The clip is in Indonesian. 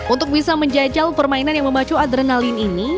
untuk bisa menjajal permainan yang memacu adrenalin ini